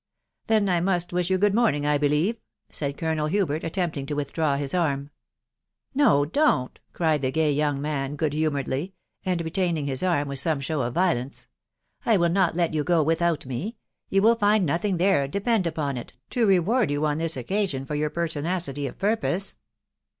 " Then I must wish you good morning, I believe,'' said Colonel Hubert, attempting to withdraw his arm. " No, don't," cried the gay young man good humouredly, and retaining his arm with some show of violence ;" I will not let you go without me : you will find nothing there, de pend upon it, to reward you on this occasion for your perti nacity of purpose."